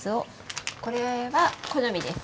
これは好みです。